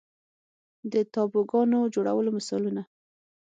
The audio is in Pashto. د تابوګانو جوړولو مثالونه